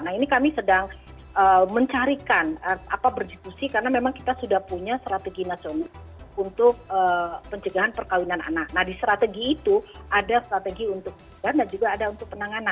nah ini kami sedang mencarikan apa berdiskusi karena memang kita sudah punya strategi nasional